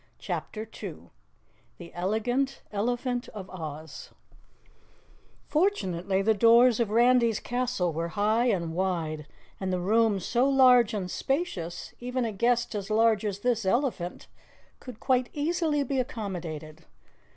CHAPTER 2 The Elegant Elephant of Oz Fortunately the doors of Randy's castle were high and wide, and the rooms so large and spacious, even a guest as large as this elephant could quite easily be accommodated.